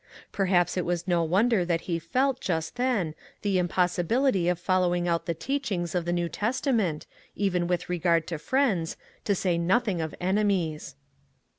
Perhaps it is no won der that he felt, just then, the impossibility of following out the teachings of the New Testa ment, even with regard to friends, to say noth ing of enemies.